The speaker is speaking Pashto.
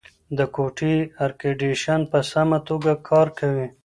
د کوټې اېرکنډیشن په سمه توګه کار کوي.